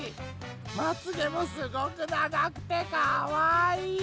まつげもすごくながくてかわいい！